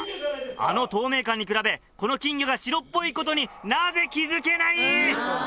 あの透明感に比べこの金魚が白っぽいことになぜ気付けない！